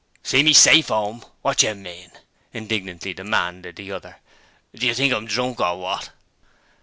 'See me safe 'ome! Wotcher mean?' indignantly demanded the other. 'Do you think I'm drunk or wot?'